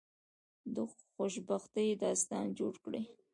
د خوشبختی داستان جوړ کړی.